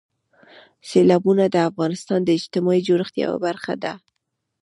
سیلابونه د افغانستان د اجتماعي جوړښت یوه برخه ده.